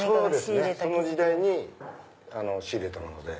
そうですねその時代に仕入れたもので。